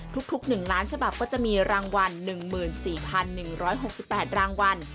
ทุก๑ล้านฉบับก็จะมีรางวัล๑๔๑๖๘รางวัล